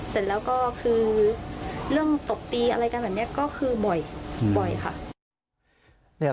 เสร็จแล้วก็คือเรื่องตบตีอะไรกันแบบนี้ก็คือบ่อยค่ะ